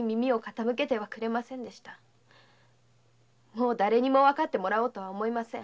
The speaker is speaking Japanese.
もうだれにもわかってもらおうとは思いません。